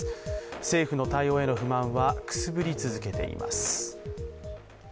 政府の対応への不満はくすぶり続けています。